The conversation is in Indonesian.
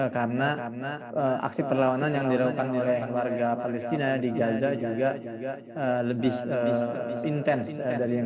karena karena aksi perlawanan yang dilakukan oleh warga palestina di gaza juga lebih intens dari yang